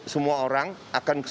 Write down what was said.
semua orang akan